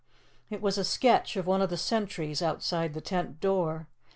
It was a sketch of one of the sentries outside the tent door.